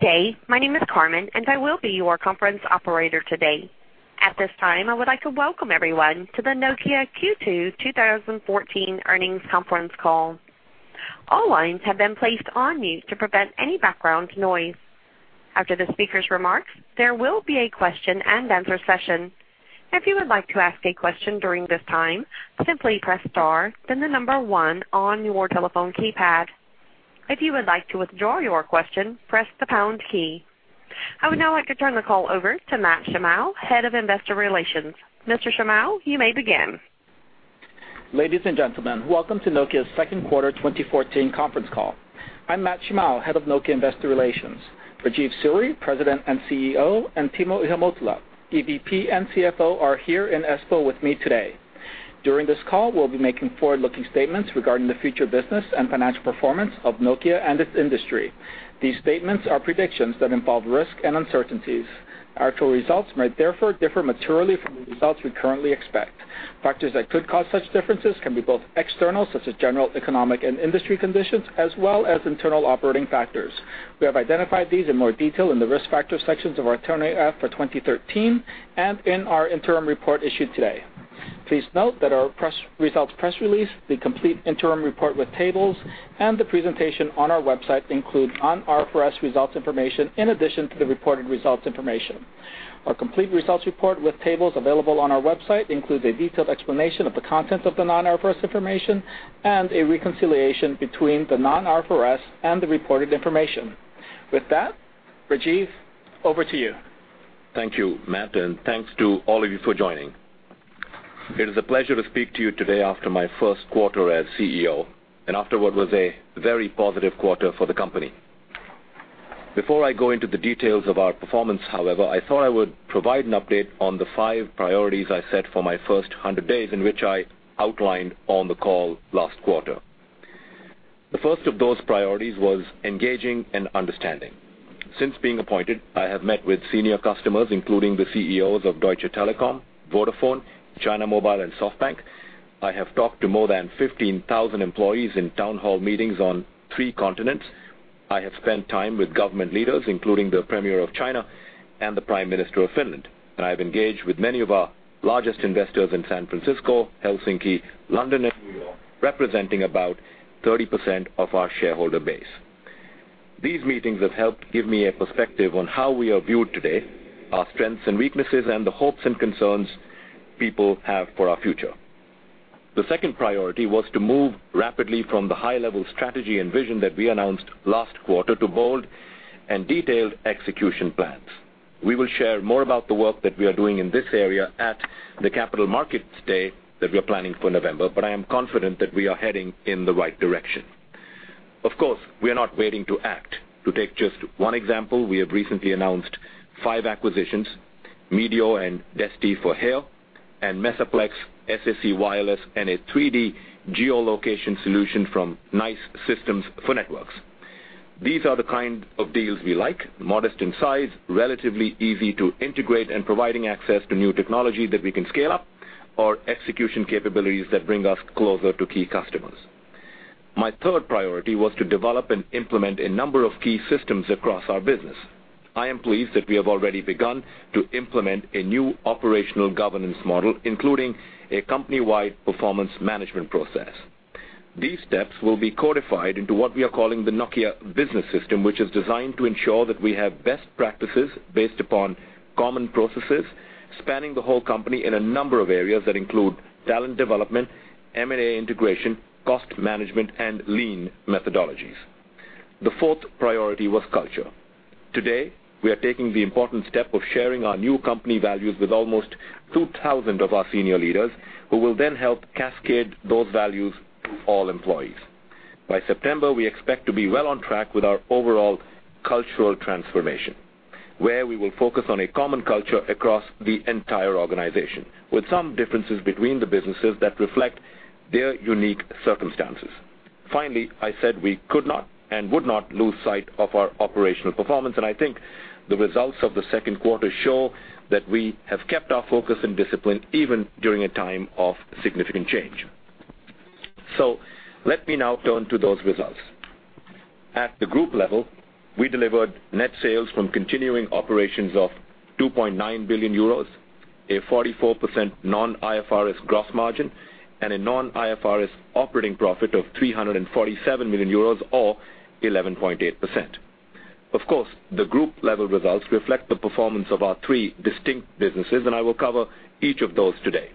Good day, my name is Carmen, and I will be your conference operator today. At this time, I would like to welcome everyone to the Nokia Q2 2014 earnings conference call. All lines have been placed on mute to prevent any background noise. After the speaker's remarks, there will be a question-and-answer session. If you would like to ask a question during this time, simply press star, then the number one on your telephone keypad. If you would like to withdraw your question, press the pound key. I would now like to turn the call over to Matt Shimao, head of Investor Relations. Mr. Shimao, you may begin. Ladies and gentlemen, welcome to Nokia's second quarter 2014 conference call. I'm Matt Shimao, head of Nokia investor relations. Rajeev Suri, President and CEO, and Timo Ihamuotila, EVP and CFO, are here in Espoo with me today. During this call, we'll be making forward-looking statements regarding the future business and financial performance of Nokia and its industry. These statements are predictions that involve risk and uncertainties. Actual results may therefore differ materially from the results we currently expect. Factors that could cause such differences can be both external, such as general economic and industry conditions, as well as internal operating factors. We have identified these in more detail in the risk factors sections of our 20-F for 2013 and in our interim report issued today. Please note that our press results press release, the complete interim report with tables, and the presentation on our website include non-IFRS results information in addition to the reported results information. Our complete results report with tables available on our website includes a detailed explanation of the contents of the non-IFRS information and a reconciliation between the non-IFRS and the reported information. With that, Rajeev, over to you. Thank you, Matt, and thanks to all of you for joining. It is a pleasure to speak to you today after my first quarter as CEO, and after what was a very positive quarter for the company. Before I go into the details of our performance, however, I thought I would provide an update on the 5 priorities I set for my first 100 days in which I outlined on the call last quarter. The first of those priorities was engaging and understanding. Since being appointed, I have met with senior customers, including the CEOs of Deutsche Telekom, Vodafone, China Mobile, and SoftBank. I have talked to more than 15,000 employees in town hall meetings on 3 continents. I have spent time with government leaders, including the Premier of China and the Prime Minister of Finland. I've engaged with many of our largest investors in San Francisco, Helsinki, London, and New York, representing about 30% of our shareholder base. These meetings have helped give me a perspective on how we are viewed today, our strengths and weaknesses, and the hopes and concerns people have for our future. The second priority was to move rapidly from the high-level strategy and vision that we announced last quarter to bold and detailed execution plans. We will share more about the work that we are doing in this area at the Capital Markets Day that we are planning for November, but I am confident that we are heading in the right direction. Of course, we are not waiting to act. To take just one example, we have recently announced five acquisitions: Medio and Desti for HERE, and Mesaplexx, SAC Wireless and a 3D geolocation solution from NICE Systems for Networks. These are the kind of deals we like: modest in size, relatively easy to integrate, and providing access to new technology that we can scale up, or execution capabilities that bring us closer to key customers. My third priority was to develop and implement a number of key systems across our business. I am pleased that we have already begun to implement a new operational governance model, including a company-wide performance management process. These steps will be codified into what we are calling the Nokia Business System, which is designed to ensure that we have best practices based upon common processes spanning the whole company in a number of areas that include talent development, M&A integration, cost management, and lean methodologies. The fourth priority was culture. Today, we are taking the important step of sharing our new company values with almost 2,000 of our senior leaders, who will then help cascade those values to all employees. By September, we expect to be well on track with our overall cultural transformation, where we will focus on a common culture across the entire organization, with some differences between the businesses that reflect their unique circumstances. Finally, I said we could not and would not lose sight of our operational performance, and I think the results of the second quarter show that we have kept our focus and discipline even during a time of significant change. Let me now turn to those results. At the group level, we delivered net sales from continuing operations of 2.9 billion euros, a 44% Non-IFRS gross margin, and a Non-IFRS operating profit of 347 million euros or 11.8%. Of course, the group-level results reflect the performance of our three distinct businesses, and I will cover each of those today.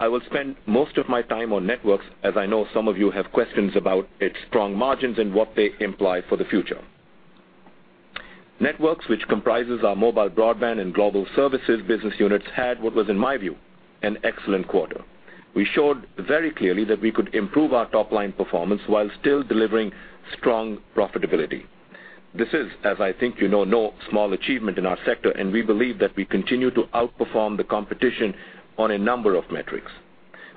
I will spend most of my time on Networks, as I know some of you have questions about its strong margins and what they imply for the future. Networks, which comprises our Mobile Broadband and Global Services business units, had, what was in my view, an excellent quarter. We showed very clearly that we could improve our top-line performance while still delivering strong profitability. This is, as I think you know, a small achievement in our sector, and we believe that we continue to outperform the competition on a number of metrics.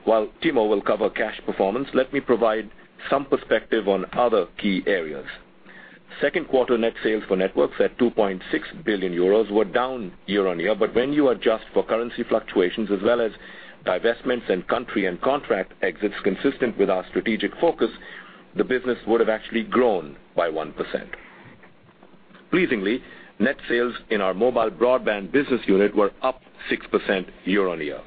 While Timo will cover cash performance, let me provide some perspective on other key areas. Second quarter net sales for Networks at 2.6 billion euros were down year-over-year, but when you adjust for currency fluctuations as well as divestments and country and contract exits consistent with our strategic focus, the business would have actually grown by 1%. Pleasingly, net sales in our Mobile Broadband business unit were up 6% year-over-year.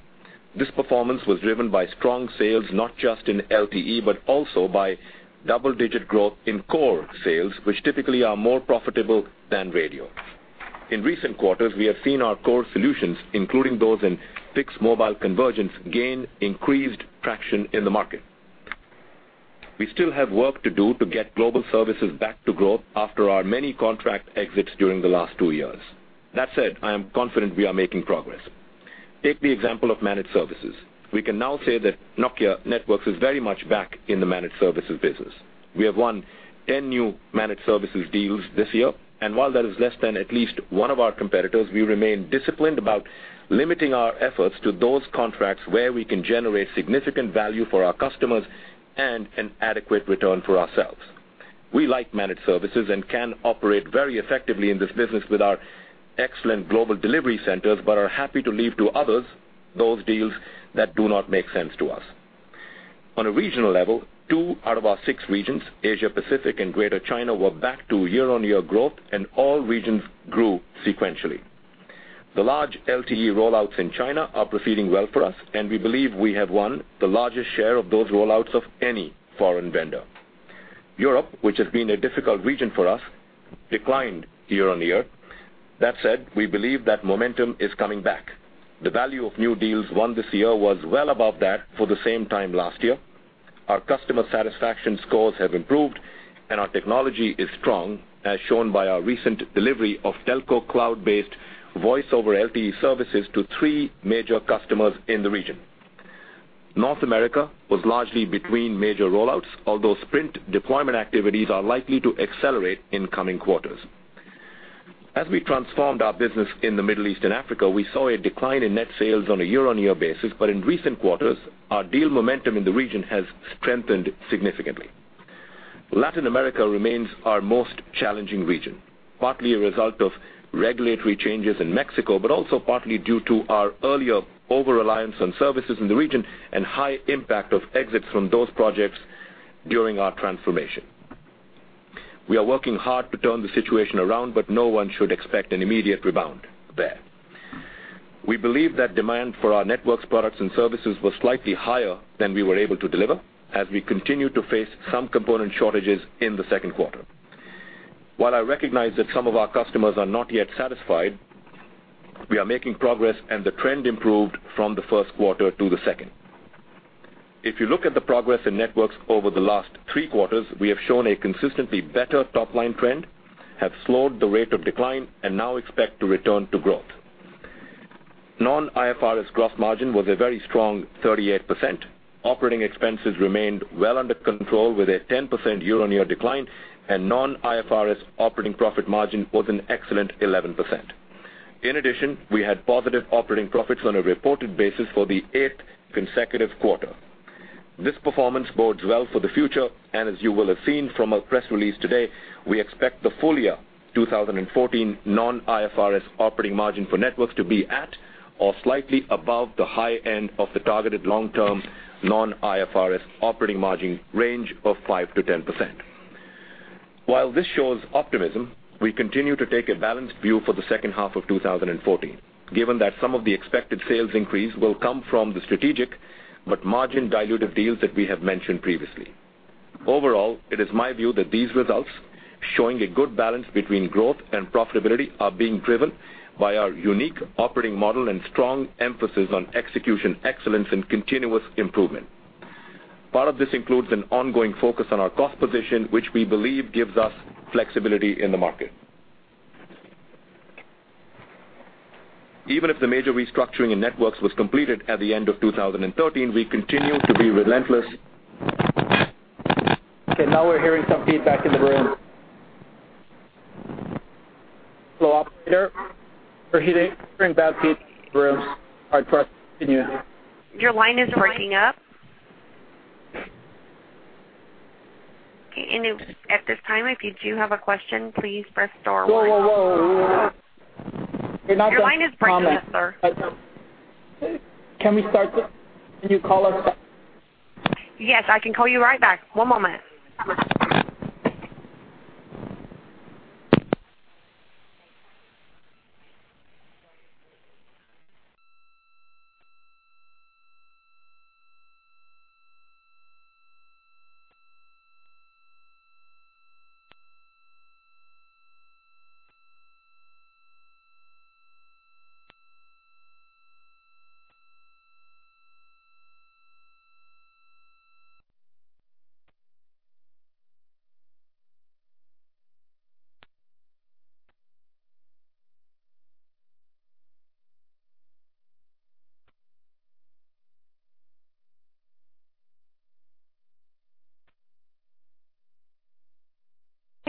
This performance was driven by strong sales not just in LTE but also by double-digit growth in core sales, which typically are more profitable than radio. In recent quarters, we have seen our core solutions, including those in Fixed-Mobile Convergence, gain increased traction in the market. We still have work to do to get Global Services back to growth after our many contract exits during the last two years. That said, I am confident we are making progress. Take the example of managed services. We can now say that Nokia Networks is very much back in the managed services business. We have won 10 new managed services deals this year, and while that is less than at least one of our competitors, we remain disciplined about limiting our efforts to those contracts where we can generate significant value for our customers and an adequate return for ourselves. We like managed services and can operate very effectively in this business with our excellent global delivery centers but are happy to leave to others those deals that do not make sense to us. On a regional level, two out of our six regions, Asia Pacific and Greater China, were back to year-over-year growth, and all regions grew sequentially. The large LTE rollouts in China are proceeding well for us, and we believe we have won the largest share of those rollouts of any foreign vendor. Europe, which has been a difficult region for us, declined year-over-year. That said, we believe that momentum is coming back. The value of new deals won this year was well above that for the same time last year. Our customer satisfaction scores have improved, and our technology is strong, as shown by our recent delivery of Telco Cloud-based Voice over LTE services to three major customers in the region. North America was largely between major rollouts, although Sprint deployment activities are likely to accelerate in coming quarters. As we transformed our business in the Middle East and Africa, we saw a decline in net sales on a year-on-year basis, but in recent quarters, our deal momentum in the region has strengthened significantly. Latin America remains our most challenging region, partly a result of regulatory changes in Mexico but also partly due to our earlier over-reliance on services in the region and high impact of exits from those projects during our transformation. We are working hard to turn the situation around, but no one should expect an immediate rebound there. We believe that demand for our Networks products and services was slightly higher than we were able to deliver, as we continue to face some component shortages in the second quarter. While I recognize that some of our customers are not yet satisfied, we are making progress, and the trend improved from the first quarter to the second. If you look at the progress in Networks over the last three quarters, we have shown a consistently better top-line trend, have slowed the rate of decline, and now expect to return to growth. Non-IFRS gross margin was a very strong 38%. Operating expenses remained well under control with a 10% year-on-year decline, and non-IFRS operating profit margin was an excellent 11%. In addition, we had positive operating profits on a reported basis for the eighth consecutive quarter. This performance bodes well for the future, and as you will have seen from our press release today, we expect the full-year 2014 non-IFRS operating margin for Networks to be at or slightly above the high end of the targeted long-term non-IFRS operating margin range of 5%-10%. While this shows optimism, we continue to take a balanced view for the second half of 2014, given that some of the expected sales increase will come from the strategic but margin-dilutive deals that we have mentioned previously. Overall, it is my view that these results, showing a good balance between growth and profitability, are being driven by our unique operating model and strong emphasis on execution excellence and continuous improvement. Part of this includes an ongoing focus on our cost position, which we believe gives us flexibility in the market. Even if the major restructuring in Networks was completed at the end of 2013, we continue to be relentless.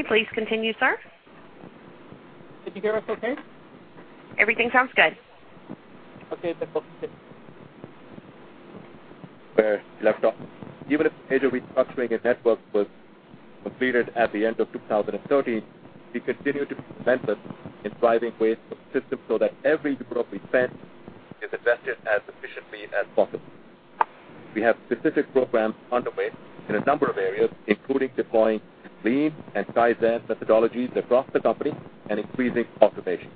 Even if major restructuring in Networks was completed at the end of 2013, we continue to be relentless in driving ways for the system so that every euro we spend is invested as efficiently as possible. We have specific programs underway in a number of areas, including deploying lean and Kaizen methodologies across the company and increasing automation.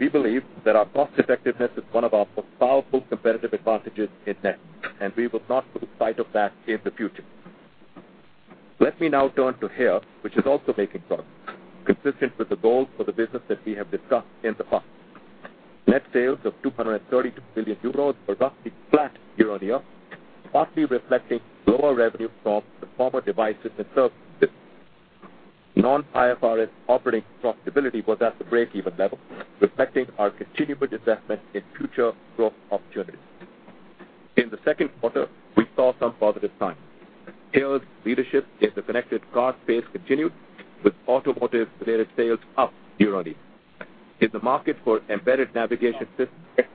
We believe that our cost-effectiveness is one of our most powerful competitive advantages in Networks, and we will not lose sight of that in the future. Let me now turn to HERE, which is also making progress, consistent with the goals for the business that we have discussed in the past. Net sales of 232 billion euros were roughly flat year-on-year, partly reflecting lower revenue from the former Devices & Services business. Non-IFRS operating profitability was at the break-even level, reflecting our continual investment in future growth opportunities. In the second quarter, we saw some positive signs. HERE's leadership in the connected car space continued, with automotive-related sales up year-on-year. In the market for embedded navigation systems.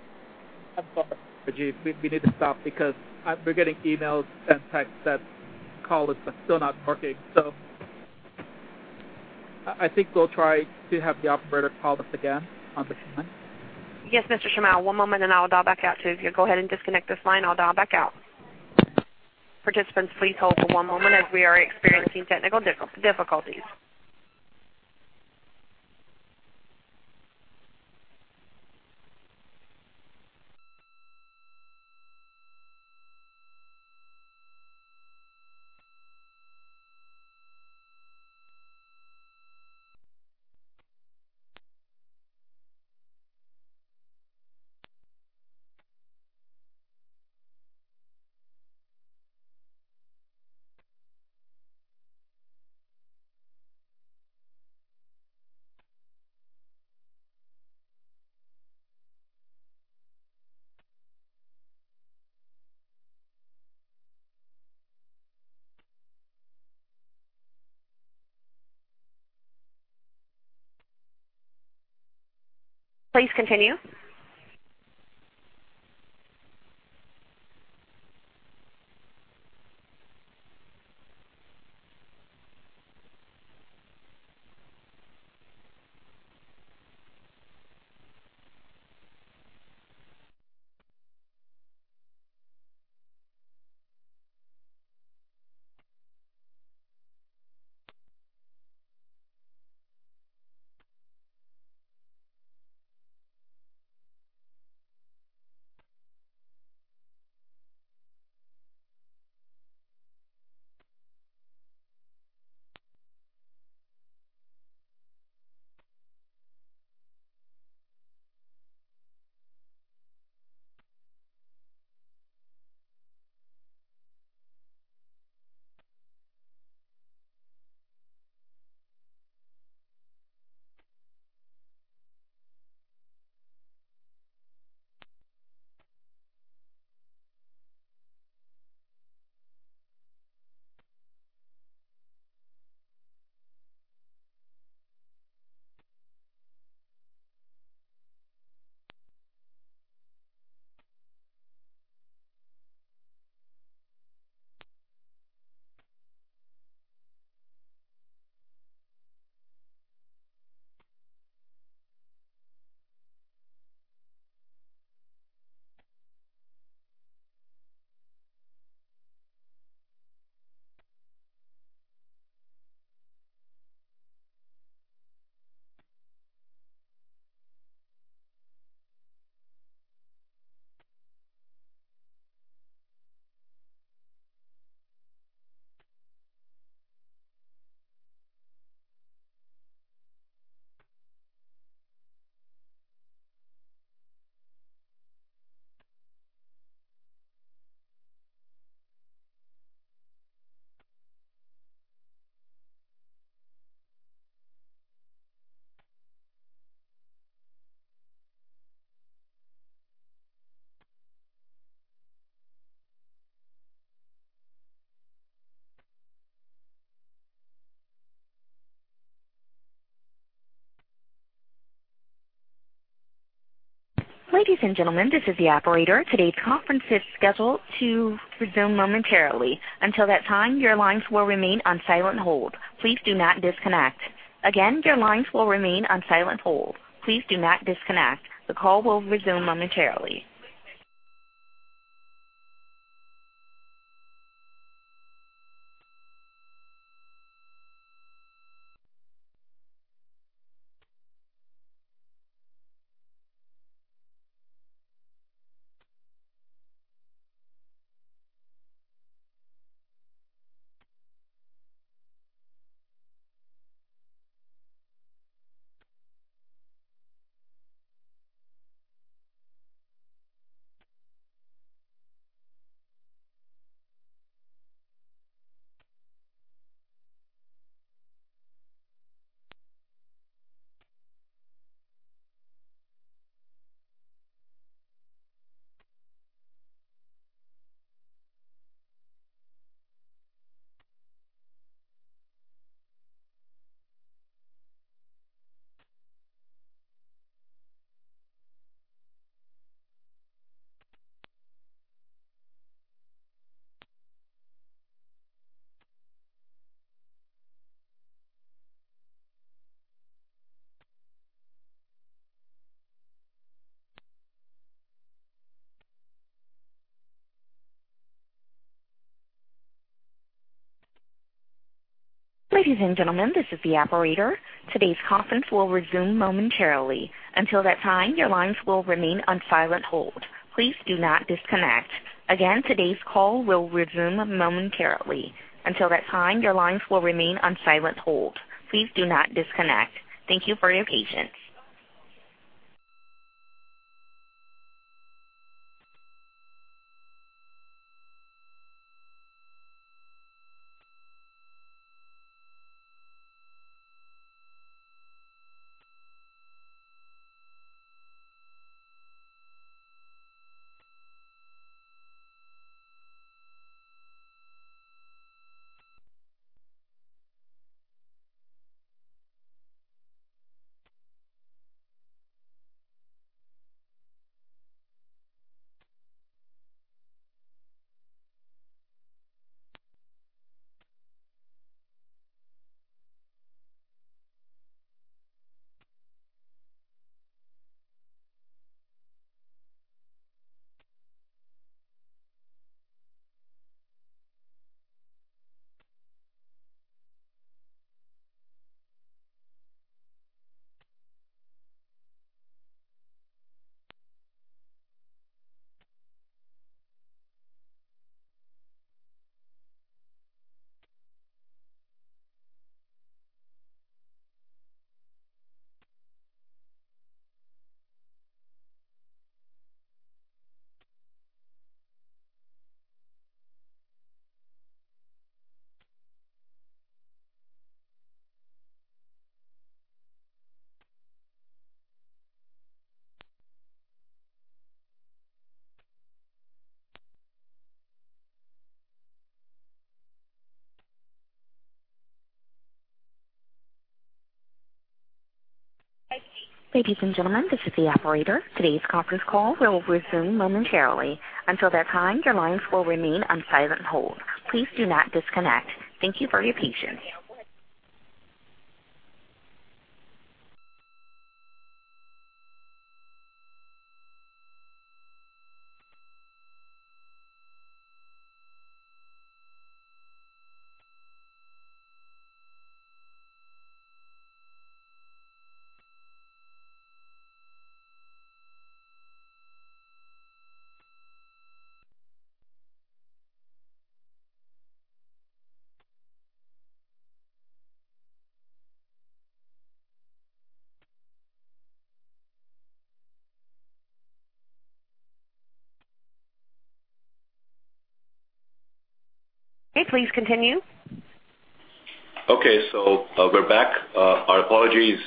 Okay. So we're back. Our apologies.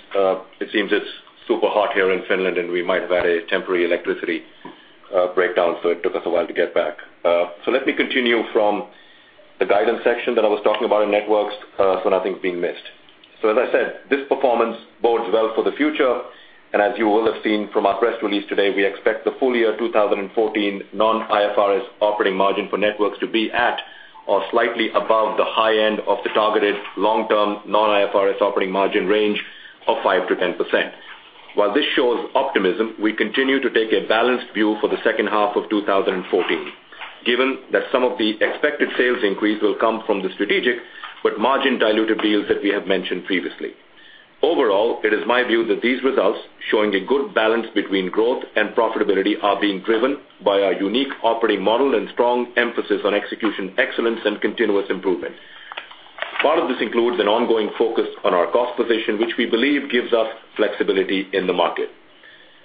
It seems it's super hot here in Finland, and we might have had a temporary electricity breakdown, so it took us a while to get back. So let me continue from the guidance section that I was talking about in Networks for nothing being missed. So as I said, this performance bodes well for the future. And as you will have seen from our press release today, we expect the full-year 2014 non-IFRS operating margin for Networks to be at or slightly above the high end of the targeted long-term non-IFRS operating margin range of 5%-10%. While this shows optimism, we continue to take a balanced view for the second half of 2014, given that some of the expected sales increase will come from the strategic but margin-dilutive deals that we have mentioned previously. Overall, it is my view that these results, showing a good balance between growth and profitability, are being driven by our unique operating model and strong emphasis on execution excellence and continuous improvement. Part of this includes an ongoing focus on our cost position, which we believe gives us flexibility in the market.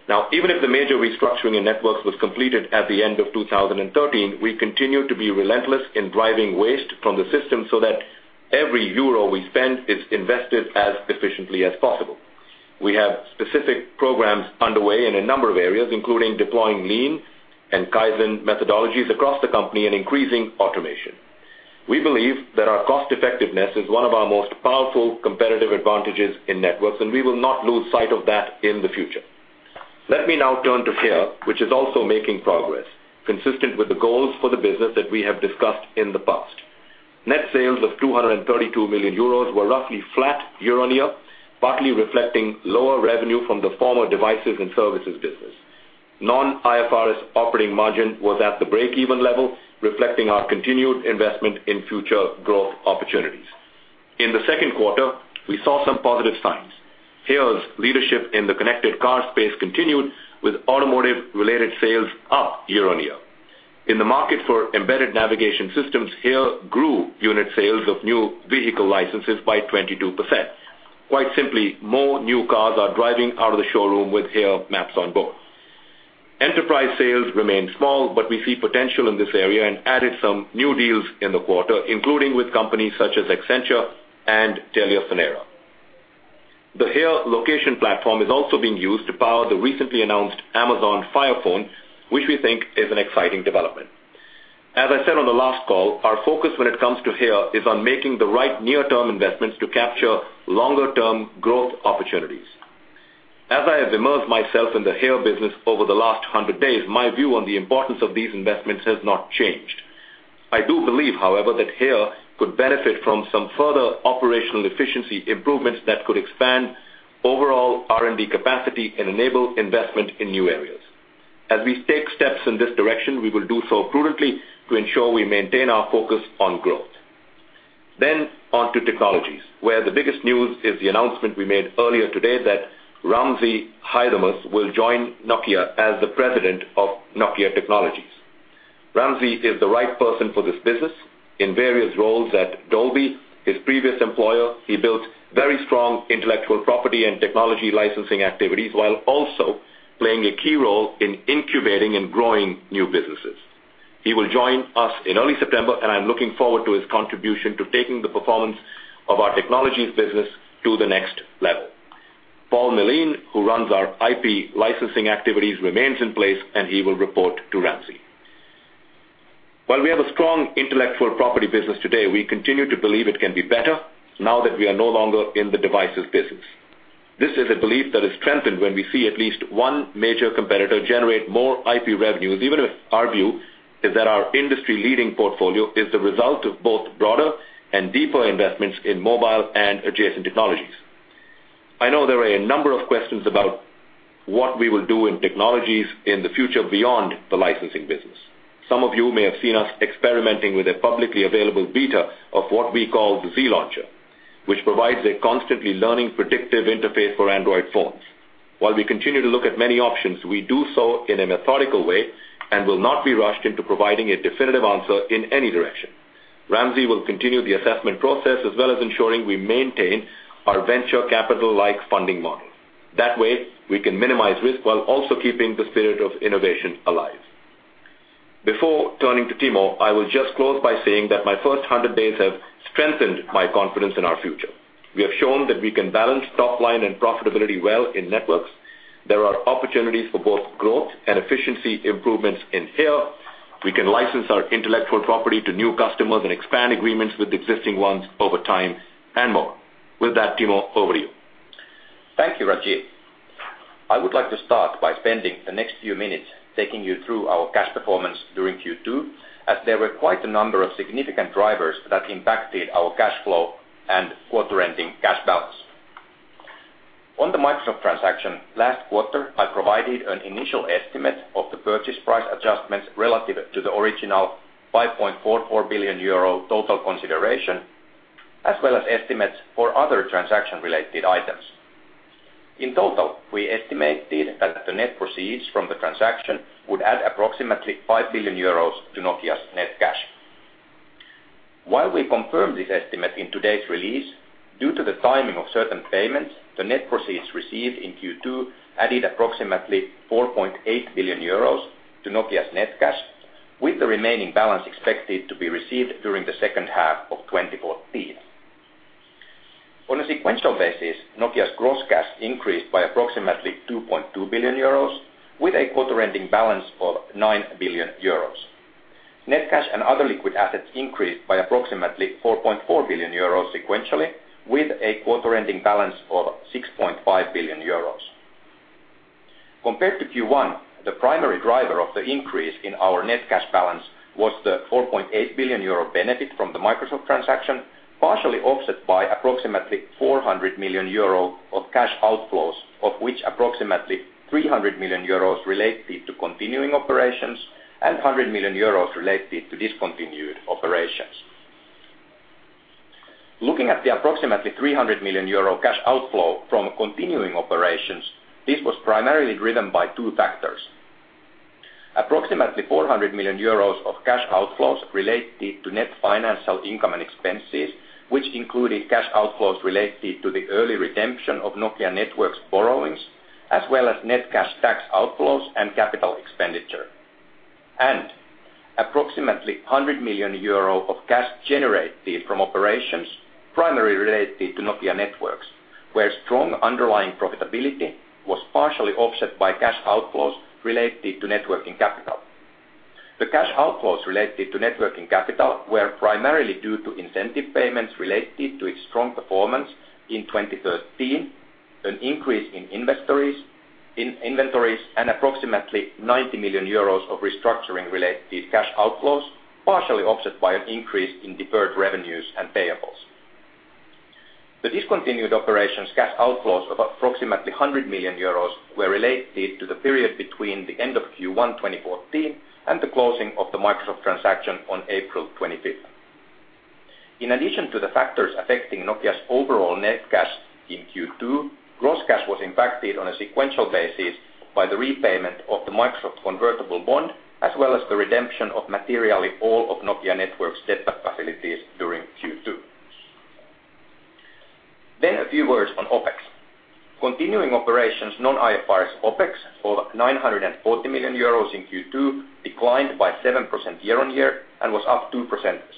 Now, even if the major restructuring in Networks was completed at the end of 2013, we continue to be relentless in driving waste from the system so that every euro we spend is invested as efficiently as possible. We have specific programs underway in a number of areas, including deploying lean and Kaizen methodologies across the company and increasing automation. We believe that our cost-effectiveness is one of our most powerful competitive advantages in Networks, and we will not lose sight of that in the future. Let me now turn to HERE, which is also making progress, consistent with the goals for the business that we have discussed in the past. Net sales of 232 million euros were roughly flat year-on-year, partly reflecting lower revenue from the former devices and services business. Non-IFRS operating margin was at the break-even level, reflecting our continued investment in future growth opportunities. In the second quarter, we saw some positive signs. HERE's leadership in the connected car space continued, with automotive-related sales up year-on-year. In the market for embedded navigation systems, HERE grew unit sales of new vehicle licenses by 22%. Quite simply, more new cars are driving out of the showroom with HERE Maps on board. Enterprise sales remain small, but we see potential in this area and added some new deals in the quarter, including with companies such as Accenture and TeliaSonera. The HERE location platform is also being used to power the recently announced Amazon Fire Phone, which we think is an exciting development. As I said on the last call, our focus when it comes to HERE is on making the right near-term investments to capture longer-term growth opportunities. As I have immersed myself in the HERE business over the last 100 days, my view on the importance of these investments has not changed. I do believe, however, that HERE could benefit from some further operational efficiency improvements that could expand overall R&D capacity and enable investment in new areas. As we take steps in this direction, we will do so prudently to ensure we maintain our focus on growth. Then onto Technologies, where the biggest news is the announcement we made earlier today that Ramzi Haidamus will join Nokia as the president of Nokia Technologies. Ramzi is the right person for this business in various roles at Dolby, his previous employer. He built very strong intellectual property and technology licensing activities while also playing a key role in incubating and growing new businesses. He will join us in early September, and I'm looking forward to his contribution to taking the performance of our Technologies business to the next level. Paul Melin, who runs our IP licensing activities, remains in place, and he will report to Ramzi. While we have a strong intellectual property business today, we continue to believe it can be better now that we are no longer in the devices business. This is a belief that is strengthened when we see at least one major competitor generate more IP revenues, even if our view is that our industry-leading portfolio is the result of both broader and deeper investments in mobile and adjacent Technologies. I know there are a number of questions about what we will do in Technologies in the future beyond the licensing business. Some of you may have seen us experimenting with a publicly available beta of what we call the Z Launcher, which provides a constantly learning, predictive interface for Android phones. While we continue to look at many options, we do so in a methodical way and will not be rushed into providing a definitive answer in any direction. Ramzi will continue the assessment process as well as ensuring we maintain our venture capital-like funding model. That way, we can minimize risk while also keeping the spirit of innovation alive. Before turning to Timo, I will just close by saying that my first 100 days have strengthened my confidence in our future. We have shown that we can balance top line and profitability well in Networks. There are opportunities for both growth and efficiency improvements in HERE. We can license our intellectual property to new customers and expand agreements with existing ones over time, and more. With that, Timo, over to you. Thank you, Rajeev. I would like to start by spending the next few minutes taking you through our cash performance during Q2, as there were quite a number of significant drivers that impacted our cash flow and quarter-ending cash balance. On the Microsoft transaction last quarter, I provided an initial estimate of the purchase price adjustments relative to the original 5.44 billion euro total consideration, as well as estimates for other transaction-related items. In total, we estimated that the net proceeds from the transaction would add approximately 5 billion euros to Nokia's net cash. While we confirmed this estimate in today's release, due to the timing of certain payments, the net proceeds received in Q2 added approximately 4.8 billion euros to Nokia's net cash, with the remaining balance expected to be received during the second half of 2014. On a sequential basis, Nokia's gross cash increased by approximately 2.2 billion euros, with a quarter-ending balance of 9 billion euros. Net cash and other liquid assets increased by approximately 4.4 billion euros sequentially, with a quarter-ending balance of 6.5 billion euros. Compared to Q1, the primary driver of the increase in our net cash balance was the 4.8 billion euro benefit from the Microsoft transaction, partially offset by approximately 400 million euro of cash outflows, of which approximately 300 million euros related to continuing operations and 100 million euros related to discontinued operations. Looking at the approximately 300 million euro cash outflow from continuing operations, this was primarily driven by two factors. Approximately 400 million euros of cash outflows related to net financial income and expenses, which included cash outflows related to the early redemption of Nokia Networks borrowings, as well as net cash tax outflows and capital expenditure. Approximately 100 million euro of cash generated from operations primarily related to Nokia Networks, where strong underlying profitability was partially offset by cash outflows related to net working capital. The cash outflows related to net working capital were primarily due to incentive payments related to its strong performance in 2013, an increase in inventories, and approximately 90 million euros of restructuring-related cash outflows, partially offset by an increase in deferred revenues and payables. The discontinued operations cash outflows of approximately 100 million euros were related to the period between the end of Q1 2014 and the closing of the Microsoft transaction on April 25th. In addition to the factors affecting Nokia's overall net cash in Q2, gross cash was impacted on a sequential basis by the repayment of the Microsoft convertible bond, as well as the redemption of materially all of Nokia Networks' debt facilities during Q2. A few words on OpEx. Continuing operations non-IFRS OpEx of 940 million euros in Q2 declined by 7% year-on-year and was up 2%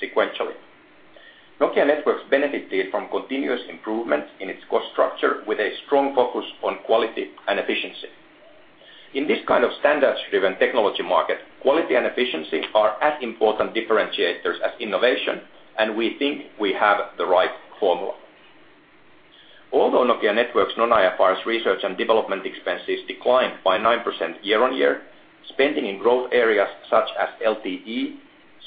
sequentially. Nokia Networks benefited from continuous improvements in its cost structure, with a strong focus on quality and efficiency. In this kind of standards-driven technology market, quality and efficiency are as important differentiators as innovation, and we think we have the right formula. Although Nokia Networks non-IFRS research and development expenses declined by 9% year-on-year, spending in growth areas such as LTE,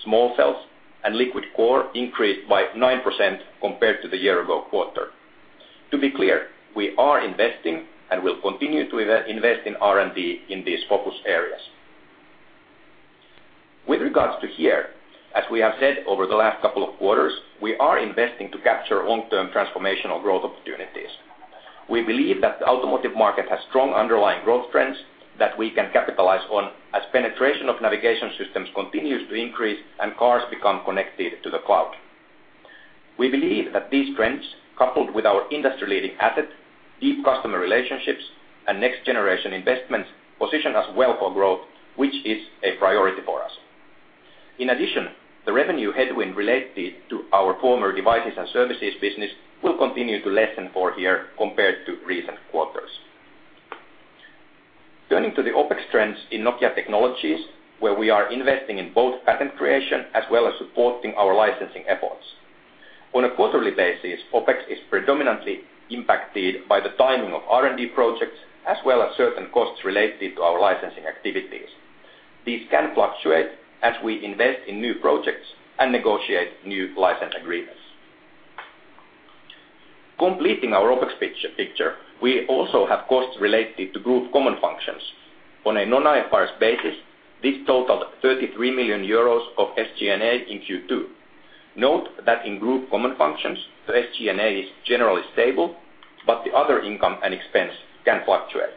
Small Cells, and Liquid Core increased by 9% compared to the year-ago quarter. To be clear, we are investing and will continue to invest in R&D in these focus areas. With regards to HERE, as we have said over the last couple of quarters, we are investing to capture long-term transformational growth opportunities. We believe that the automotive market has strong underlying growth trends that we can capitalize on as penetration of navigation systems continues to increase and cars become connected to the cloud. We believe that these trends, coupled with our industry-leading asset, deep customer relationships, and next-generation investments, position us well for growth, which is a priority for us. In addition, the revenue headwind related to our former devices and services business will continue to lessen for HERE compared to recent quarters. Turing to the OpEx trends in Nokia Technologies, where we are investing in both patent creation as well as supporting our licensing efforts. On a quarterly basis, OpEx is predominantly impacted by the timing of R&D projects as well as certain costs related to our licensing activities. These can fluctuate as we invest in new projects and negotiate new license agreements. Completing our OpEx picture, we also have costs related to group common functions. On a non-IFRS basis, this totaled 33 million euros of SG&A in Q2. Note that in group common functions, the SG&A is generally stable, but the other income and expense can fluctuate.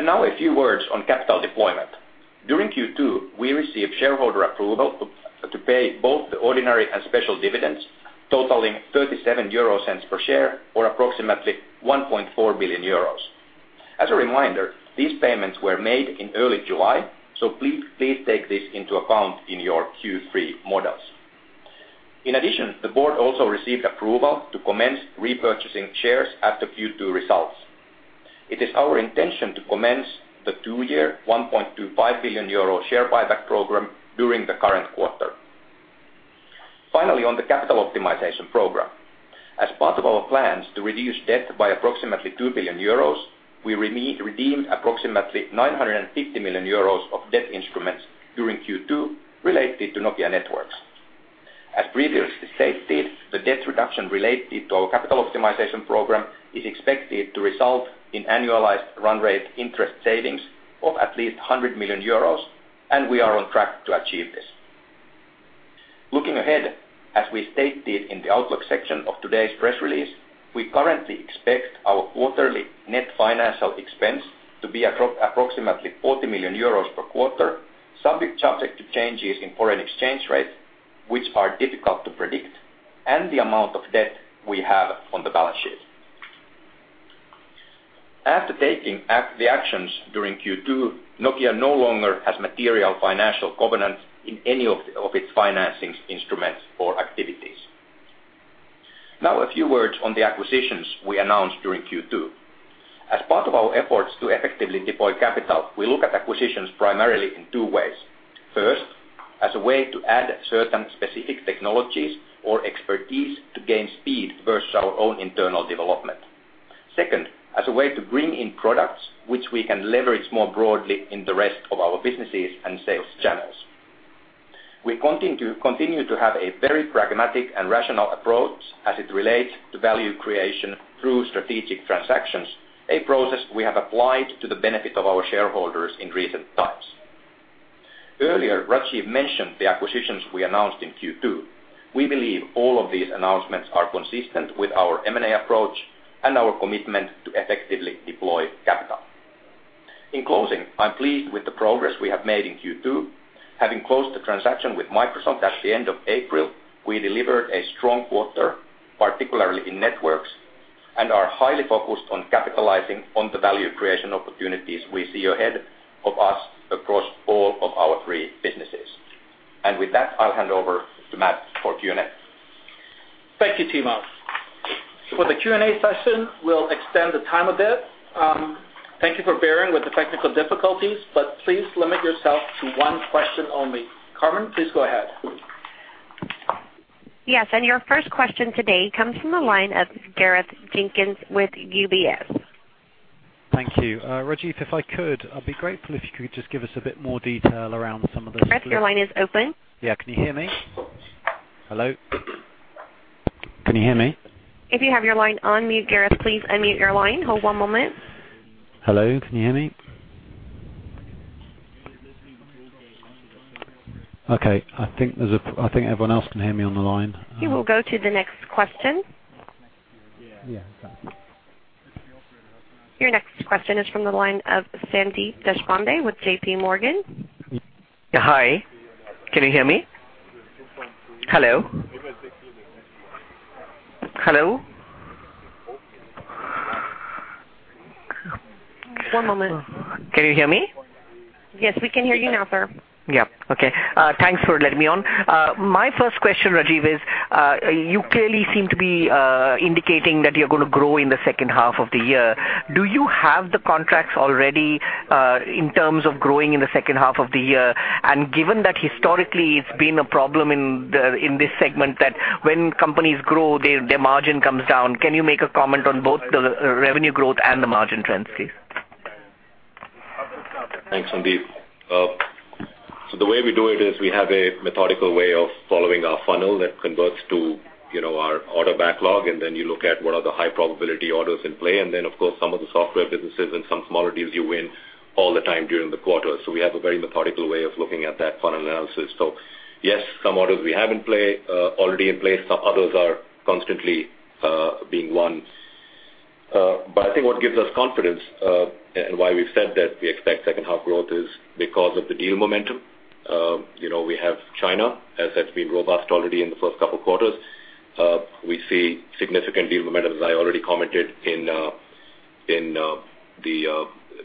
Now a few words on capital deployment. During Q2, we received shareholder approval to pay both the ordinary and special dividends, totaling 0.37 per share or approximately 1.4 billion euros. As a reminder, these payments were made in early July, so please take this into account in your Q3 models. In addition, the board also received approval to commence repurchasing shares after Q2 results. It is our intention to commence the two-year 1.25 billion euro share buyback program during the current quarter. Finally, on the capital optimization program, as part of our plans to reduce debt by approximately 2 billion euros, we redeemed approximately 950 million euros of debt instruments during Q2 related to Nokia Networks. As previously stated, the debt reduction related to our capital optimization program is expected to result in annualized run-rate interest savings of at least 100 million euros, and we are on track to achieve this. Looking ahead, as we stated in the Outlook section of today's press release, we currently expect our quarterly net financial expense to be approximately 40 million euros per quarter, subject to changes in foreign exchange rates, which are difficult to predict, and the amount of debt we have on the balance sheet. After taking the actions during Q2, Nokia no longer has material financial covenants in any of its financing instruments or activities. Now a few words on the acquisitions we announced during Q2. As part of our efforts to effectively deploy capital, we look at acquisitions primarily in two ways. First, as a way to add certain specific technologies or expertise to gain speed versus our own internal development. Second, as a way to bring in products which we can leverage more broadly in the rest of our businesses and sales channels. We continue to have a very pragmatic and rational approach as it relates to value creation through strategic transactions, a process we have applied to the benefit of our shareholders in recent times. Earlier, Rajeev mentioned the acquisitions we announced in Q2. We believe all of these announcements are consistent with our M&A approach and our commitment to effectively deploy capital. In closing, I'm pleased with the progress we have made in Q2. Having closed the transaction with Microsoft at the end of April, we delivered a strong quarter, particularly in Networks, and are highly focused on capitalizing on the value creation opportunities we see ahead of us across all of our three businesses. With that, I'll hand over to Matt for Q&A. Thank you, Timo. For the Q&A session, we'll extend the time a bit. Thank you for bearing with the technical difficulties, but please limit yourself to one question only. Carmen, please go ahead. Yes. Your first question today comes from the line of Gareth Jenkins with UBS. Thank you. Rajeev, if I could, I'd be grateful if you could just give us a bit more detail around some of this. Gareth, your line is open. Yeah. Can you hear me? Hello? Can you hear me? If you have your line on mute, Gareth, please unmute your line. Hold one moment. Hello. Can you hear me? Okay. I think everyone else can hear me on the line. You will go to the next question. Yeah. Exactly. Your next question is from the line of Sandeep Deshpande with J.P. Morgan. Hi. Can you hear me? Hello? Hello? One moment. Can you hear me? Yes. We can hear you now, sir. Yeah. Okay. Thanks for letting me on. My first question, Rajeev, is you clearly seem to be indicating that you're going to grow in the second half of the year. Do you have the contracts already in terms of growing in the second half of the year? And given that historically, it's been a problem in this segment that when companies grow, their margin comes down. Can you make a comment on both the revenue growth and the margin trends, please? Thanks, Sandeep. So the way we do it is we have a methodical way of following our funnel that converts to our order backlog, and then you look at what are the high-probability orders in play. And then, of course, some of the software businesses and some smaller deals you win all the time during the quarter. So we have a very methodical way of looking at that funnel analysis. So yes, some orders we have already in place. Some others are constantly being won. But I think what gives us confidence and why we've said that we expect second-half growth is because of the deal momentum. We have China, as that's been robust already in the first couple of quarters. We see significant deal momentum, as I already commented, in the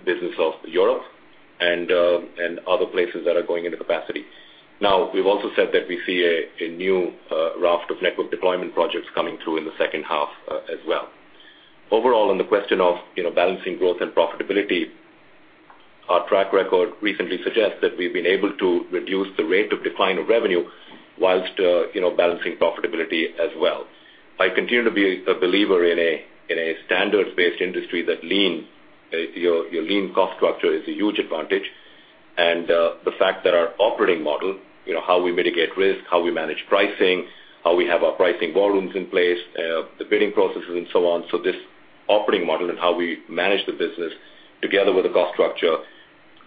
business of Europe and other places that are going into capacity. Now, we've also said that we see a new raft of network deployment projects coming through in the second half as well. Overall, on the question of balancing growth and profitability, our track record recently suggests that we've been able to reduce the rate of decline of revenue while balancing profitability as well. I continue to be a believer in a standards-based industry that your lean cost structure is a huge advantage. The fact that our operating model, how we mitigate risk, how we manage pricing, how we have our pricing volumes in place, the bidding processes, and so on, so this operating model and how we manage the business together with the cost structure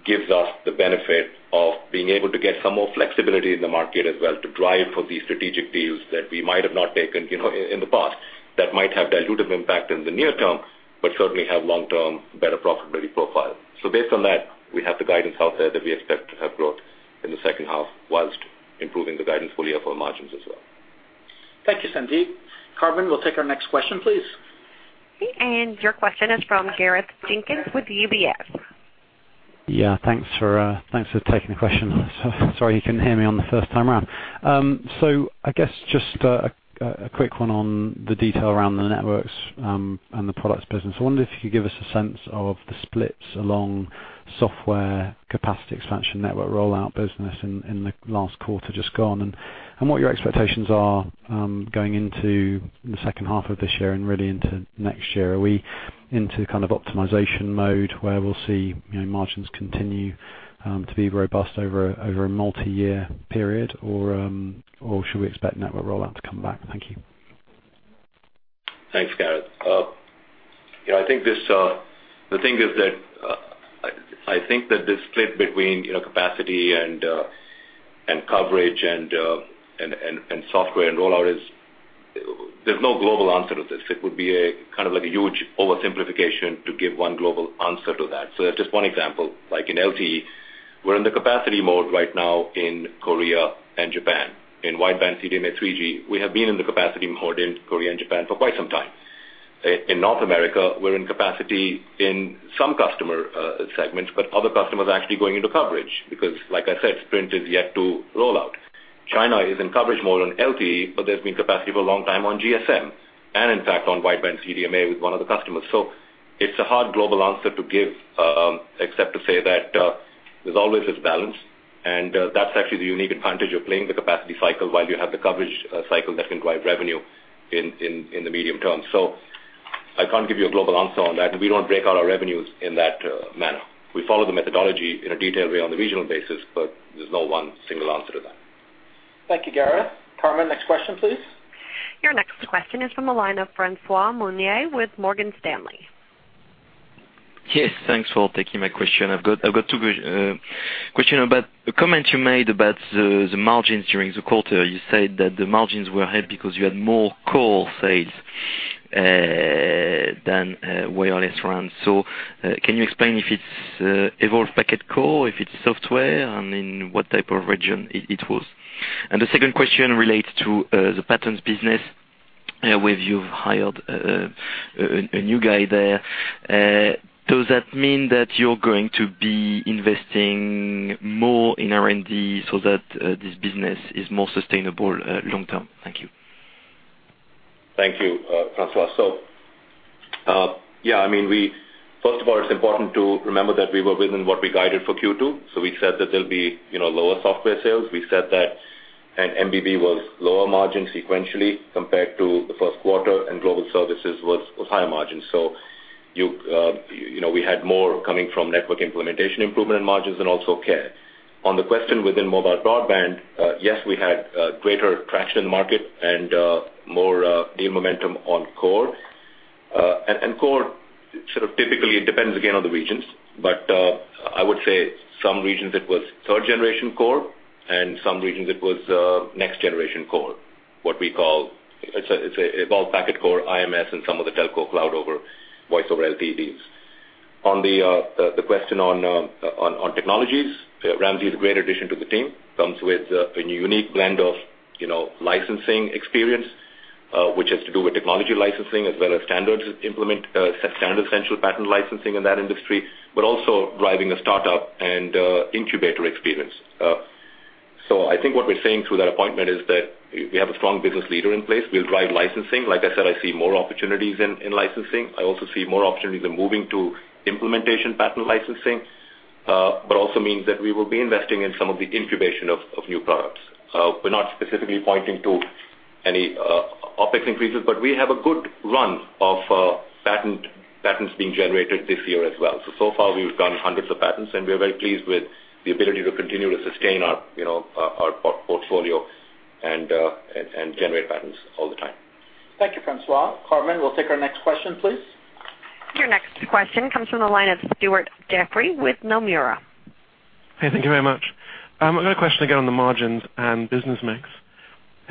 gives us the benefit of being able to get some more flexibility in the market as well to drive for these strategic deals that we might have not taken in the past that might have diluted impact in the near term but certainly have long-term better profitability profile. Based on that, we have the guidance out there that we expect to have growth in the second half while improving the guidance fully of our margins as well. Thank you, Sandeep. Carmen, we'll take our next question, please. Your question is from Gareth Jenkins with UBS. Yeah. Thanks for taking the question. Sorry you couldn't hear me on the first time around. So I guess just a quick one on the detail around the networks and the products business. I wondered if you could give us a sense of the splits along software capacity expansion network rollout business in the last quarter just gone and what your expectations are going into the second half of this year and really into next year. Are we into kind of optimization mode where we'll see margins continue to be robust over a multi-year period, or should we expect network rollout to come back? Thank you. Thanks, Gareth. I think the thing is that I think that this split between capacity and coverage and software and rollout is there's no global answer to this. It would be kind of like a huge oversimplification to give one global answer to that. So just one example. In LTE, we're in the capacity mode right now in Korea and Japan. In Wideband CDMA 3G, we have been in the capacity mode in Korea and Japan for quite some time. In North America, we're in capacity in some customer segments, but other customers are actually going into coverage because, like I said, Sprint is yet to rollout. China is in coverage mode on LTE, but there's been capacity for a long time on GSM and, in fact, on Wideband CDMA with one of the customers. It's a hard global answer to give except to say that there's always this balance, and that's actually the unique advantage of playing the capacity cycle while you have the coverage cycle that can drive revenue in the medium term. So I can't give you a global answer on that, and we don't break out our revenues in that manner. We follow the methodology in a detailed way on the regional basis, but there's no one single answer to that. Thank you, Gareth. Carmen, next question, please. Your next question is from the line of François Meunier with Morgan Stanley. Yes. Thanks for taking my question. I've got two questions. A comment you made about the margins during the quarter. You said that the margins were high because you had more core sales than wireless RANs. So can you explain if it's Evolved Packet Core, if it's software, and in what type of region it was? And the second question relates to the patents business where you've hired a new guy there. Does that mean that you're going to be investing more in R&D so that this business is more sustainable long term? Thank you. Thank you, François. So yeah. I mean, first of all, it's important to remember that we were within what we guided for Q2. So we said that there'll be lower software sales. We said that MBB was lower margin sequentially compared to the first quarter, and global services was higher margin. So we had more coming from Network Implementation improvement and margins and also care. On the question within mobile broadband, yes, we had greater traction in the market and more deal momentum on core. And core, sort of typically, it depends, again, on the regions. But I would say some regions, it was third-generation core, and some regions, it was next-generation core, what we call it's an Evolved Packet Core, IMS, and some of the Telco Cloud over Voice over LTE deals. On the question on technologies, Ramzi is a great addition to the team, comes with a unique blend of licensing experience, which has to do with technology licensing as well as standard essential patent licensing in that industry but also driving a startup and incubator experience. So I think what we're saying through that appointment is that we have a strong business leader in place. We'll drive licensing. Like I said, I see more opportunities in licensing. I also see more opportunities in moving to implementation patent licensing but also means that we will be investing in some of the incubation of new products. We're not specifically pointing to any OpEx increases, but we have a good run of patents being generated this year as well. So far, we've done hundreds of patents, and we are very pleased with the ability to continue to sustain our portfolio and generate patents all the time. Thank you, François. Carmen, we'll take our next question, please. Your next question comes from the line of Stuart Jeffrey with Nomura. Hey. Thank you very much. I've got a question again on the margins and business mix.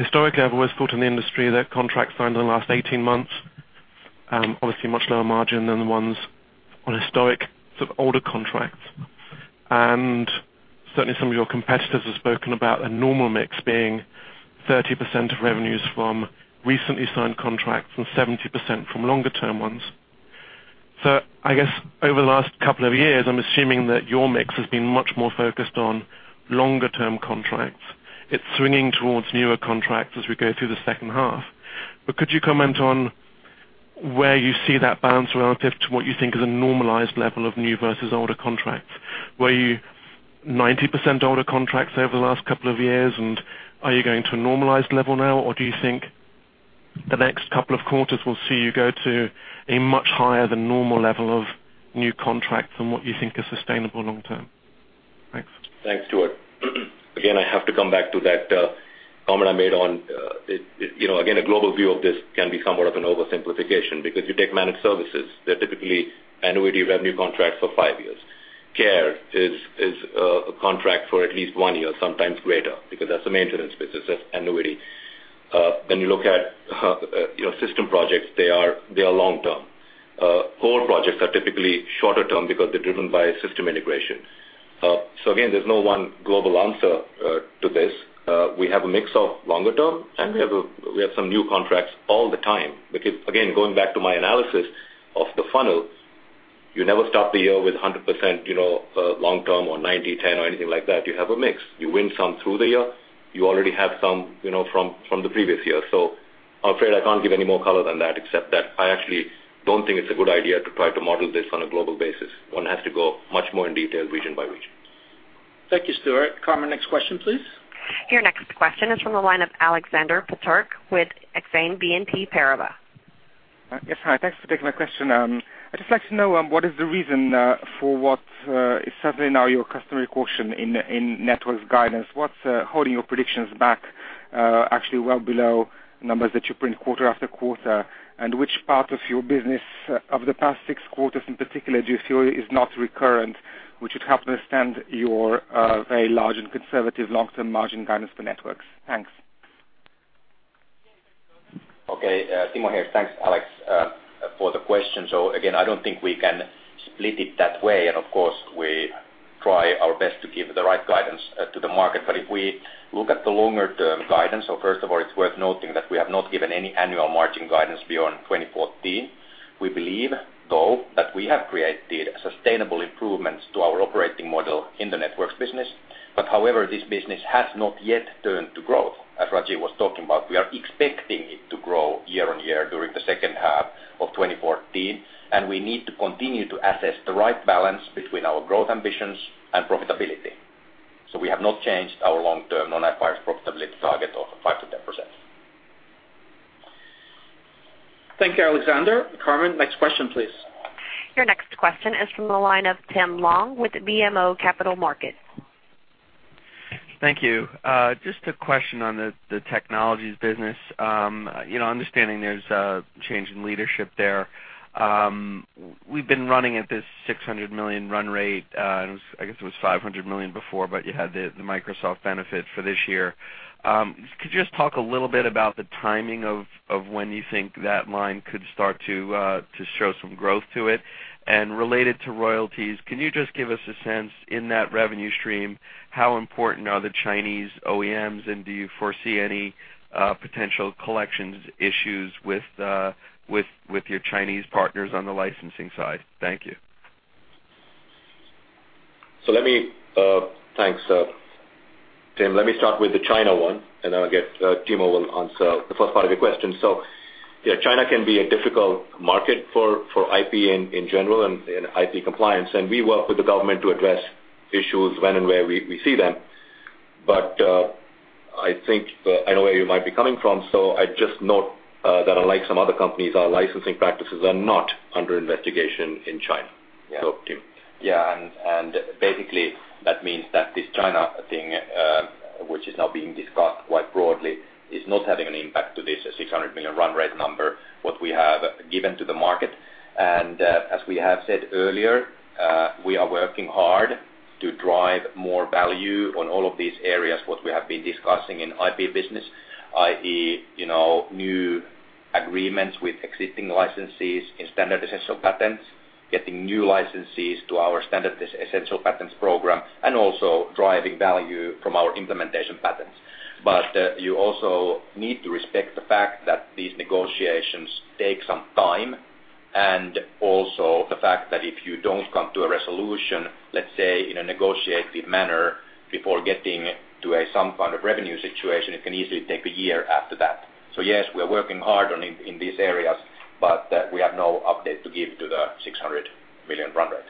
Historically, I've always thought in the industry that contracts signed in the last 18 months, obviously, much lower margin than the ones on historic sort of older contracts. And certainly, some of your competitors have spoken about a normal mix being 30% of revenues from recently signed contracts and 70% from longer-term ones. So I guess over the last couple of years, I'm assuming that your mix has been much more focused on longer-term contracts. It's swinging towards newer contracts as we go through the second half. But could you comment on where you see that balance relative to what you think is a normalized level of new versus older contracts? Were you 90% older contracts over the last couple of years, and are you going to a normalized level now, or do you think the next couple of quarters will see you go to a much higher than normal level of new contracts than what you think is sustainable long term? Thanks. Thanks, Stuart. Again, I have to come back to that comment I made on again, a global view of this can be somewhat of an oversimplification because you take managed services. They're typically annuity revenue contracts for 5 years. Care is a contract for at least 1 year, sometimes greater because that's a maintenance business. That's annuity. When you look at system projects, they are long term. Core projects are typically shorter term because they're driven by system integration. So again, there's no one global answer to this. We have a mix of longer term, and we have some new contracts all the time. Again, going back to my analysis of the funnel, you never stop the year with 100% long term or 90, 10, or anything like that. You have a mix. You win some through the year. You already have some from the previous year. So I'm afraid I can't give any more color than that except that I actually don't think it's a good idea to try to model this on a global basis. One has to go much more in detail region by region. Thank you, Stuart. Carmen, next question, please. Your next question is from the line of Alexander Peterc with Exane BNP Paribas. Yes. Hi. Thanks for taking my question. I'd just like to know, what is the reason for what is certainly now your customary caution in networks guidance? What's holding your predictions back, actually well below numbers that you print quarter after quarter? And which part of your business of the past six quarters in particular do you feel is not recurrent, which would help understand your very large and conservative long-term margin guidance for networks? Thanks. Okay. Timo here. Thanks, Alex, for the question. So again, I don't think we can split it that way. Of course, we try our best to give the right guidance to the market. But if we look at the longer-term guidance, so first of all, it's worth noting that we have not given any annual margin guidance beyond 2014. We believe, though, that we have created sustainable improvements to our operating model in the networks business. However, this business has not yet turned to growth, as Rajeev was talking about. We are expecting it to grow year-on-year during the second half of 2014, and we need to continue to assess the right balance between our growth ambitions and profitability. So we have not changed our long-term non-IFRS profitability target of 5%-10%. Thank you, Alexander. Carmen, next question, please. Your next question is from the line of Tim Long with BMO Capital Markets. Thank you. Just a question on the technologies business. Understanding there's a change in leadership there, we've been running at this 600 million run rate. I guess it was 500 million before, but you had the Microsoft benefit for this year. Could you just talk a little bit about the timing of when you think that line could start to show some growth to it? And related to royalties, can you just give us a sense in that revenue stream, how important are the Chinese OEMs, and do you foresee any potential collections issues with your Chinese partners on the licensing side? Thank you. So thanks, Tim. Let me start with the China one, and then I'll get Timo will answer the first part of your question. So China can be a difficult market for IP in general and IP compliance. And we work with the government to address issues when and where we see them. But I know where you might be coming from, so I'd just note that unlike some other companies, our licensing practices are not under investigation in China. So, Tim. Yeah. And basically, that means that this China thing, which is now being discussed quite broadly, is not having an impact to this 600 million run rate number, what we have given to the market. And as we have said earlier, we are working hard to drive more value on all of these areas, what we have been discussing in IP business, i.e., new agreements with existing licenses in standard essential patents, getting new licenses to our standard essential patents program, and also driving value from our implementation patents. But you also need to respect the fact that these negotiations take some time and also the fact that if you don't come to a resolution, let's say, in a negotiative manner before getting to some kind of revenue situation, it can easily take a year after that. So yes, we are working hard in these areas, but we have no update to give to the 600 million run rate.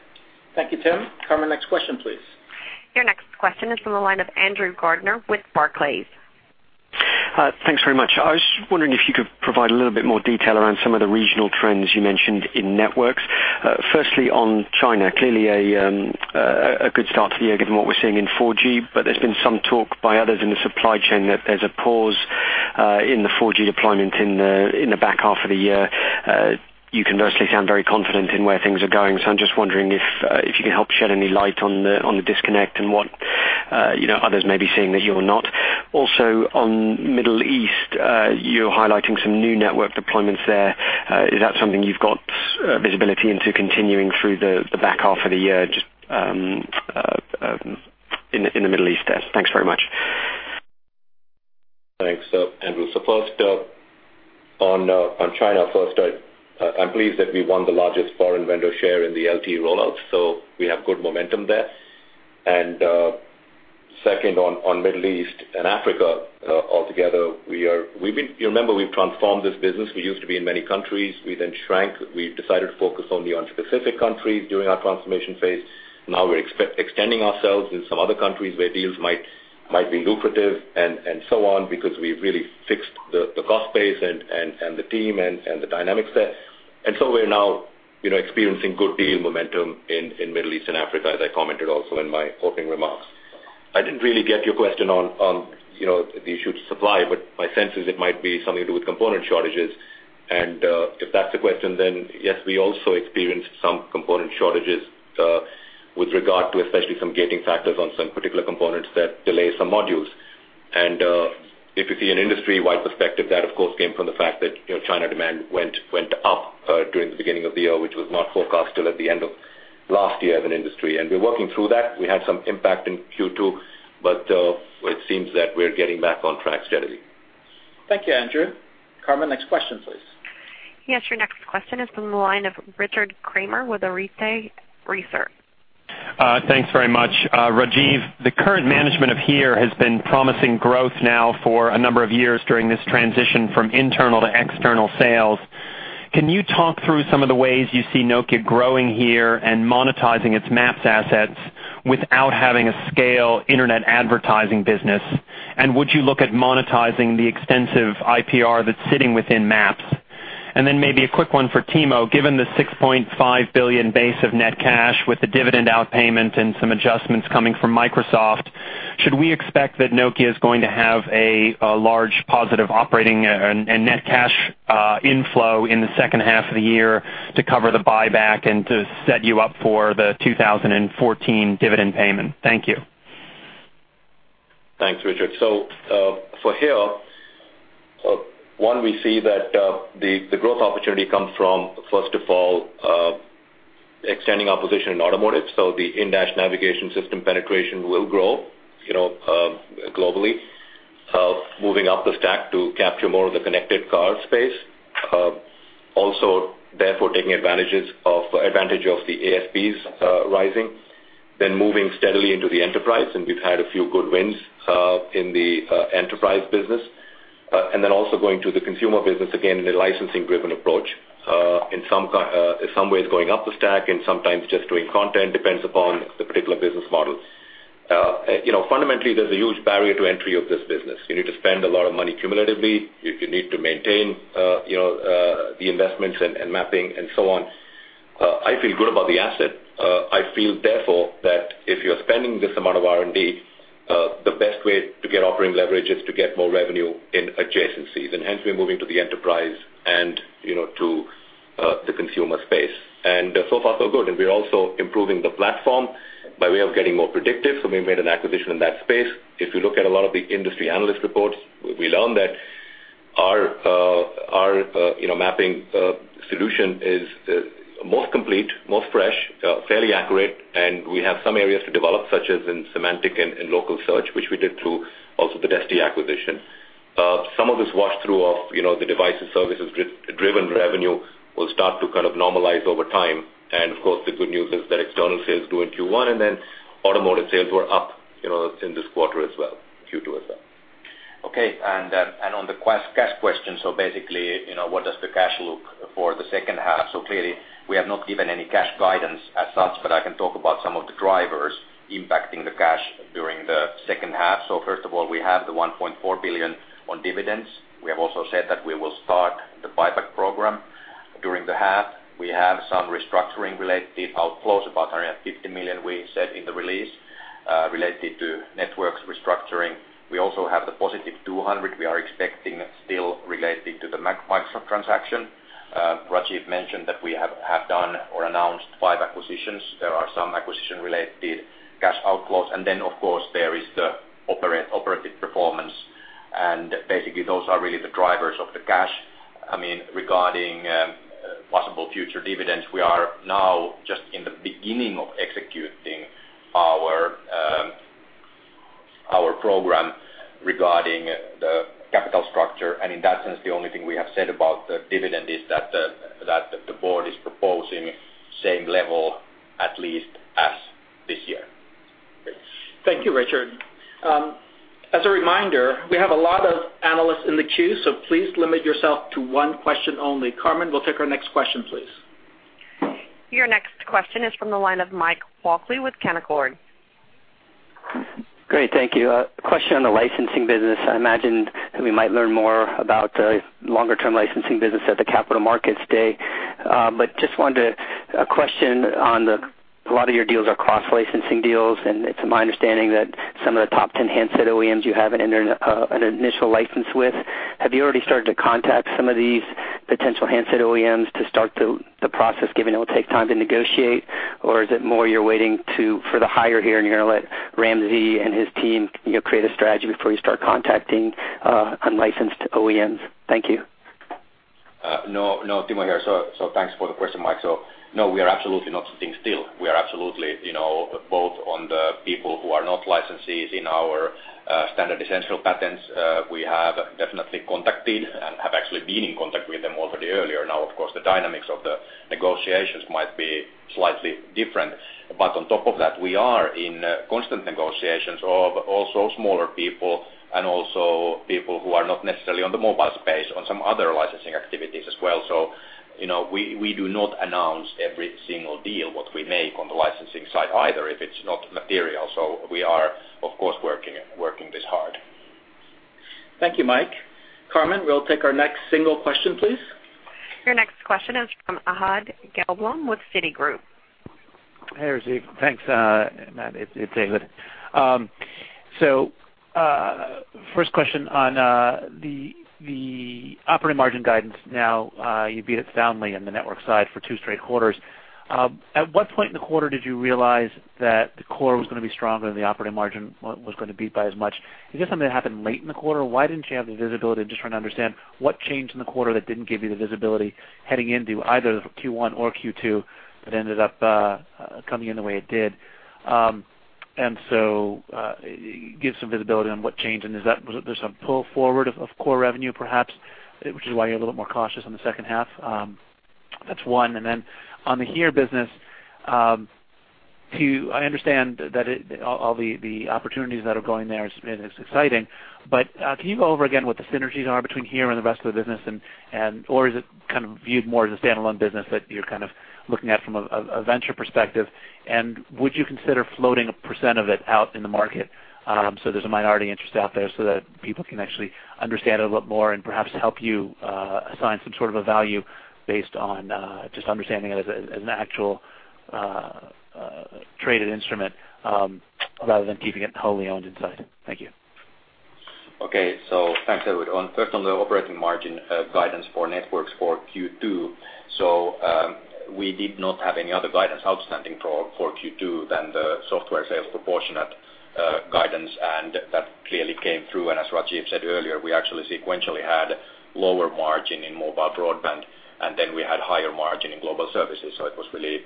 Thank you, Tim. Carmen, next question, please. Your next question is from the line of Andrew Gardiner with Barclays. Thanks very much. I was wondering if you could provide a little bit more detail around some of the regional trends you mentioned in networks. Firstly, on China, clearly a good start to the year given what we're seeing in 4G, but there's been some talk by others in the supply chain that there's a pause in the 4G deployment in the back half of the year. You conversely sound very confident in where things are going, so I'm just wondering if you can help shed any light on the disconnect and what others may be seeing that you're not. Also, on Middle East, you're highlighting some new network deployments there. Is that something you've got visibility into continuing through the back half of the year just in the Middle East there? Thanks very much. Thanks, Andrew. So first, on China, first, I'm pleased that we won the largest foreign vendor share in the LTE rollout, so we have good momentum there. And second, on Middle East and Africa altogether, we've been you remember we've transformed this business. We used to be in many countries. We then shrank. We decided to focus only on specific countries during our transformation phase. Now, we're extending ourselves in some other countries where deals might be lucrative and so on because we've really fixed the cost base and the team and the dynamics there. And so we're now experiencing good deal momentum in Middle East and Africa, as I commented also in my opening remarks. I didn't really get your question on the issue of supply, but my sense is it might be something to do with component shortages. And if that's the question, then yes, we also experienced some component shortages with regard to especially some gating factors on some particular components that delay some modules. And if you see an industry-wide perspective, that, of course, came from the fact that China demand went up during the beginning of the year, which was not forecast till at the end of last year as an industry. And we're working through that. We had some impact in Q2, but it seems that we're getting back on track steadily. Thank you, Andrew. Carmen, next question, please. Yes. Your next question is from the line of Richard Kramer with Arete Research. Thanks very much. Rajeev, the current management of HERE has been promising growth now for a number of years during this transition from internal to external sales. Can you talk through some of the ways you see Nokia growing HERE and monetizing its Maps assets without having a scale internet advertising business? And would you look at monetizing the extensive IPR that's sitting within Maps? And then maybe a quick one for Timo. Given the 6.5 billion base of net cash with the dividend outpayment and some adjustments coming from Microsoft, should we expect that Nokia is going to have a large positive operating and net cash inflow in the second half of the year to cover the buyback and to set you up for the 2014 dividend payment? Thank you. Thanks, Richard. So for HERE, one, we see that the growth opportunity comes from, first of all, extending our position in automotive. So the in-dash navigation system penetration will grow globally, moving up the stack to capture more of the Connected Car space, also therefore taking advantage of the ASPs rising, then moving steadily into the enterprise. And we've had a few good wins in the enterprise business. And then also going to the consumer business again in a licensing-driven approach, in some ways going up the stack and sometimes just doing content. Depends upon the particular business model. Fundamentally, there's a huge barrier to entry of this business. You need to spend a lot of money cumulatively. You need to maintain the investments and mapping and so on. I feel good about the asset. I feel therefore that if you're spending this amount of R&D, the best way to get operating leverage is to get more revenue in adjacencies. And hence, we're moving to the enterprise and to the consumer space. And so far, so good. And we're also improving the platform by way of getting more predictive. So we made an acquisition in that space. If you look at a lot of the industry analyst reports, we learn that our mapping solution is most complete, most fresh, fairly accurate. And we have some areas to develop, such as in semantic and local search, which we did through also the Desti acquisition. Some of this wash-through of the devices services-driven revenue will start to kind of normalize over time. Of course, the good news is that external sales grew in Q1, and then automotive sales were up in this quarter as well, Q2 as well. Okay. On the cash question, so basically, what does the cash look like for the second half? So clearly, we have not given any cash guidance as such, but I can talk about some of the drivers impacting the cash during the second half. So first of all, we have the 1.4 billion on dividends. We have also said that we will start the buyback program during the half. We have some restructuring-related outflows, about 150 million, we said in the release related to networks restructuring. We also have the positive 200 million we are expecting still related to the Microsoft transaction. Rajeev mentioned that we have done or announced five acquisitions. There are some acquisition-related cash outflows. And then, of course, there is the operative performance. And basically, those are really the drivers of the cash. I mean, regarding possible future dividends, we are now just in the beginning of executing our program regarding the capital structure. And in that sense, the only thing we have said about the dividend is that the board is proposing same level at least as this year. Thank you, Richard. As a reminder, we have a lot of analysts in the queue, so please limit yourself to one question only. Carmen, we'll take our next question, please. Your next question is from the line of Mike Walkley with Canaccord. Great. Thank you. A question on the licensing business. I imagine that we might learn more about the longer-term licensing business at the Capital Markets Day. But just wanted to ask a question on the fact that a lot of your deals are cross-licensing deals, and it's my understanding that some of the top 10 handset OEMs you have an initial license with. Have you already started to contact some of these potential handset OEMs to start the process, given it will take time to negotiate? Or is it more you're waiting for the hire here, and you're going to let Ramzi and his team create a strategy before you start contacting unlicensed OEMs? Thank you. No, Timo here. So thanks for the question, Mike. So no, we are absolutely not sitting still. We are absolutely both on the people who are not licensees in our standard-essential patents. We have definitely contacted and have actually been in contact with them already earlier. Now, of course, the dynamics of the negotiations might be slightly different. But on top of that, we are in constant negotiations of also smaller people and also people who are not necessarily on the mobile space, on some other licensing activities as well. So we do not announce every single deal, what we make on the licensing side either, if it's not material. So we are, of course, working this hard. Thank you, Mike. Carmen, we'll take our next single question, please. Your next question is from Ehud Gelblum with Citigroup. Hey, Rajeev. Thanks. It's Ehud. So first question on the operating margin guidance. Now, you beat it soundly on the network side for two straight quarters. At what point in the quarter did you realize that the core was going to be stronger and the operating margin was going to beat by as much? Is this something that happened late in the quarter? Why didn't you have the visibility to just try and understand what changed in the quarter that didn't give you the visibility heading into either Q1 or Q2 that ended up coming in the way it did? And so give some visibility on what changed. And was there some pull forward of core revenue, perhaps, which is why you're a little bit more cautious on the second half? That's one. Then on the HERE business, I understand that all the opportunities that are going there is exciting, but can you go over again what the synergies are between HERE and the rest of the business? Or is it kind of viewed more as a standalone business that you're kind of looking at from a venture perspective? And would you consider floating a percent of it out in the market so there's a minority interest out there so that people can actually understand it a little more and perhaps help you assign some sort of a value based on just understanding it as an actual traded instrument rather than keeping it wholly owned inside? Thank you. Okay. So thanks, Ehud. First, on the operating margin guidance for Networks for Q2, so we did not have any other guidance outstanding for Q2 than the software sales proportionate guidance. And that clearly came through. And as Rajeev said earlier, we actually sequentially had lower margin in Mobile Broadband, and then we had higher margin in Global Services. So it was really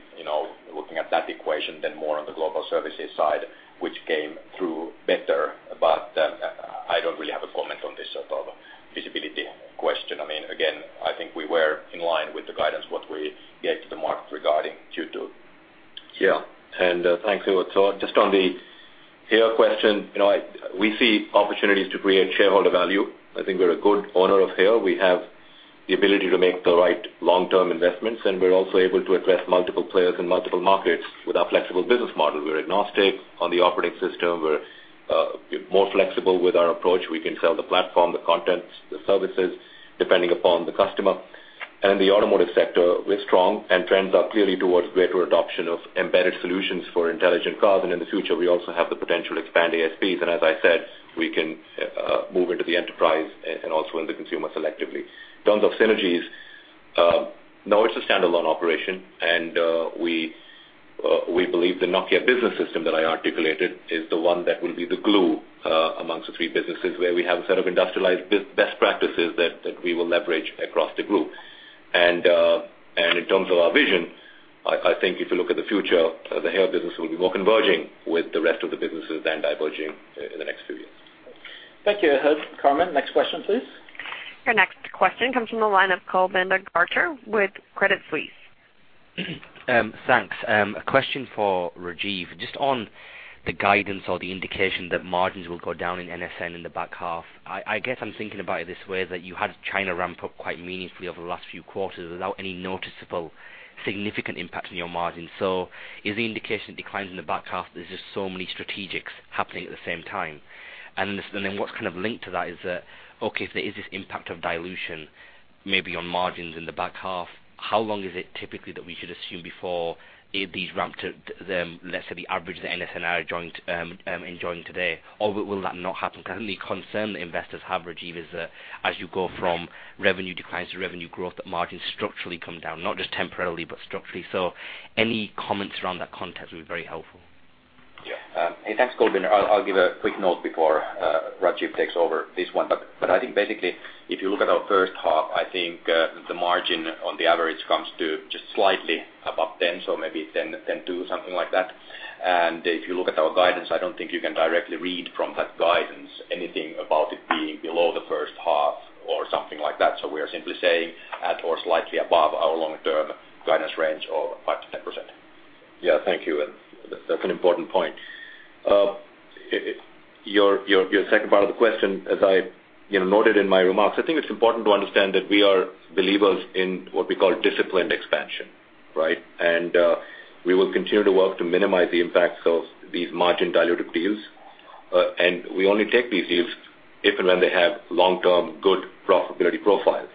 looking at that equation then more on the Global Services side, which came through better. But I don't really have a comment on this sort of visibility question. I mean, again, I think we were in line with the guidance, what we gave to the market regarding Q2. Yeah. And thanks, Ehud. So just on the HERE question, we see opportunities to create shareholder value. I think we're a good owner of HERE. We have the ability to make the right long-term investments, and we're also able to address multiple players in multiple markets with our flexible business model. We're agnostic on the operating system. We're more flexible with our approach. We can sell the platform, the content, the services depending upon the customer. And in the automotive sector, we're strong, and trends are clearly towards greater adoption of embedded solutions for intelligent cars. And in the future, we also have the potential to expand ASPs. And as I said, we can move into the enterprise and also into consumer selectively. In terms of synergies, no, it's a standalone operation. We believe the Nokia business system that I articulated is the one that will be the glue amongst the three businesses where we have a set of industrialized best practices that we will leverage across the group. In terms of our vision, I think if you look at the future, the HERE business will be more converging with the rest of the businesses than diverging in the next few years. Thank you, Ehud. Carmen, next question, please. Your next question comes from the line of Kulbinder Garcha with Credit Suisse. Thanks. A question for Rajeev. Just on the guidance or the indication that margins will go down in NSN in the back half, I guess I'm thinking about it this way, that you had China ramp up quite meaningfully over the last few quarters without any noticeable significant impact on your margins. So is the indication it declines in the back half? There's just so many strategics happening at the same time. And then what's kind of linked to that is that, okay, if there is this impact of dilution maybe on margins in the back half, how long is it typically that we should assume before these ramp to, let's say, the average that NSN are enjoying today? Or will that not happen? Because I'm really concerned that investors have, Rajeev, is that as you go from revenue declines to revenue growth, that margins structurally come down, not just temporarily but structurally. So any comments around that context would be very helpful. Yeah. Hey, thanks, Kulbinder. I'll give a quick note before Rajeev takes over this one. But I think basically, if you look at our first half, I think the margin on the average comes to just slightly above 10, so maybe 10.2, something like that. And if you look at our guidance, I don't think you can directly read from that guidance anything about it being below the first half or something like that. So we are simply saying at or slightly above our long-term guidance range of 5%-10%. Yeah. Thank you. That's an important point. Your second part of the question, as I noted in my remarks, I think it's important to understand that we are believers in what we call disciplined expansion, right? And we will continue to work to minimize the impacts of these margin-dilutive deals. And we only take these deals if and when they have long-term good profitability profiles.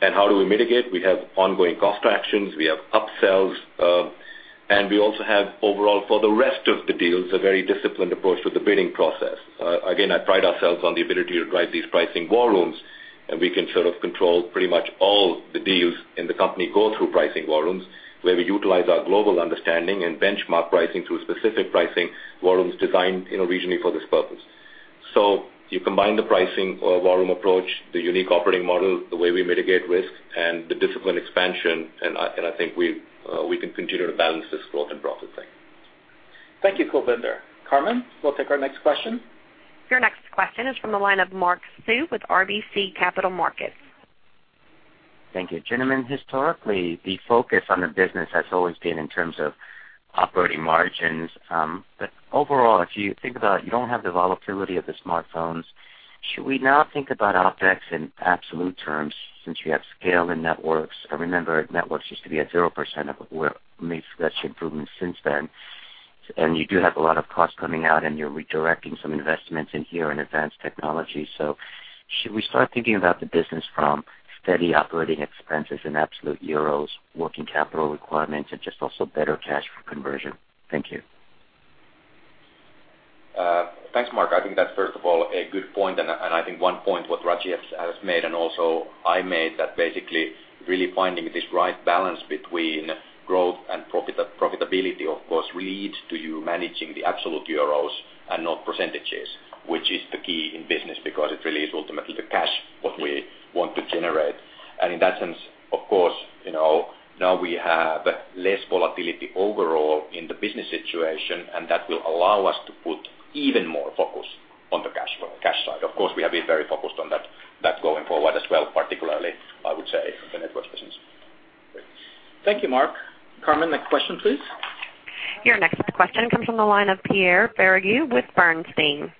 And how do we mitigate? We have ongoing cost actions. We have upsells. And we also have overall, for the rest of the deals, a very disciplined approach to the bidding process. Again, we pride ourselves on the ability to drive these pricing war rooms. And we can sort of control pretty much all the deals in the company go through pricing war rooms where we utilize our global understanding and benchmark pricing through specific pricing war rooms designed regionally for this purpose. So you combine the pricing war room approach, the unique operating model, the way we mitigate risk, and the disciplined expansion, and I think we can continue to balance this growth and profit thing. Thank you, Kulbinder. Carmen, we'll take our next question. Your next question is from the line of Mark Sue with RBC Capital Markets. Thank you. Gentlemen, historically, the focus on the business has always been in terms of operating margins. But overall, if you think about it, you don't have the volatility of the smartphones. Should we now think about OpEx in absolute terms since we have scale and networks? I remember networks used to be at 0%, but we've made such improvements since then. And you do have a lot of costs coming out, and you're redirecting some investments in here in advanced technology. So should we start thinking about the business from steady operating expenses in absolute EUR, working capital requirements, and just also better cash for conversion? Thank you. Thanks, Mark. I think that's, first of all, a good point. And I think one point what Rajeev has made and also I made that basically really finding this right balance between growth and profitability, of course, leads to you managing the absolute euros and not percentages, which is the key in business because it really is ultimately the cash what we want to generate. And in that sense, of course, now we have less volatility overall in the business situation, and that will allow us to put even more focus on the cash side. Of course, we have been very focused on that going forward as well, particularly, I would say, the networks business. Thank you, Mark. Carmen, next question, please. Your next question comes from the line of Pierre Ferragu with Bernstein.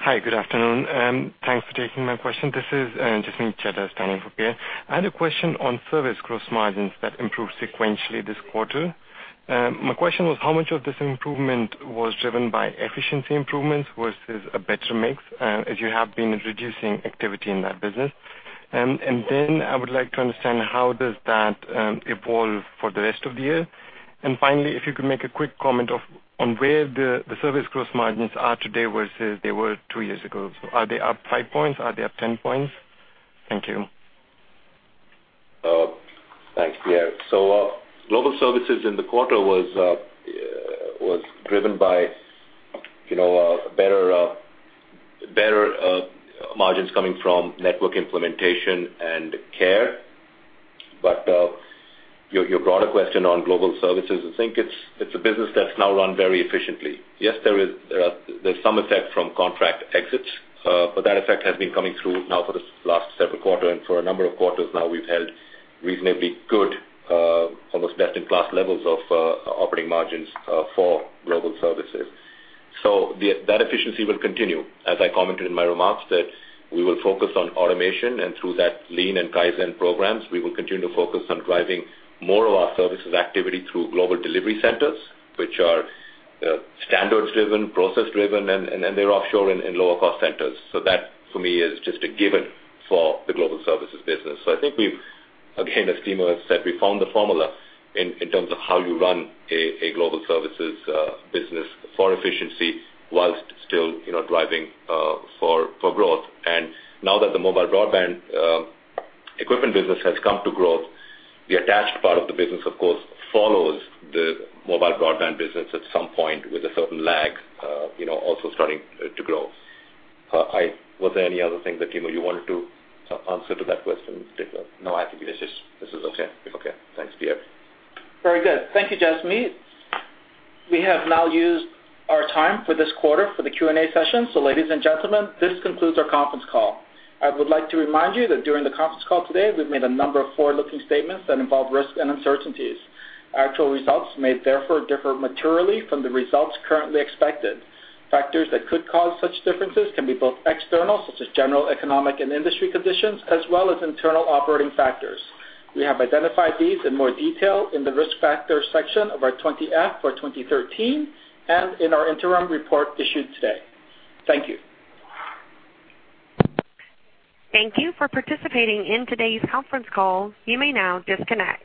Hi. Good afternoon. Thanks for taking my question. This is [Yasmine Chebbab] standing for Pierre Ferragu. I had a question on service gross margins that improved sequentially this quarter. My question was how much of this improvement was driven by efficiency improvements versus a better mix as you have been reducing activity in that business? And then I would like to understand how does that evolve for the rest of the year? And finally, if you could make a quick comment on where the service gross margins are today versus they were two years ago. So are they up 5 points? Are they up 10 points? Thank you. Thanks, Pierre. So global services in the quarter was driven by better margins coming from network implementation and care. But your broader question on global services, I think it's a business that's now run very efficiently. Yes, there is some effect from contract exits, but that effect has been coming through now for the last several quarters. And for a number of quarters now, we've held reasonably good, almost best-in-class levels of operating margins for global services. So that efficiency will continue. As I commented in my remarks, that we will focus on automation. And through that lean and Kaizen programs, we will continue to focus on driving more of our services activity through global delivery centers, which are standards-driven, process-driven, and they're offshore in lower-cost centers. So that, for me, is just a given for the global services business. So I think we've, again, as Timo has said, we found the formula in terms of how you run a global services business for efficiency while still driving for growth. And now that the mobile broadband equipment business has come to growth, the attached part of the business, of course, follows the mobile broadband business at some point with a certain lag also starting to grow. Was there any other thing that, Timo, you wanted to answer to that question? No, I think this is okay. Okay. Thanks, Pierre. Very good. Thank you, Yasmine. We have now used our time for this quarter for the Q&A session. So ladies and gentlemen, this concludes our conference call. I would like to remind you that during the conference call today, we've made a number of forward-looking statements that involve risk and uncertainties. Actual results may therefore differ materially from the results currently expected. Factors that could cause such differences can be both external, such as general economic and industry conditions, as well as internal operating factors. We have identified these in more detail in the risk factor section of our 20-F for 2013 and in our interim report issued today. Thank you. Thank you for participating in today's conference call. You may now disconnect.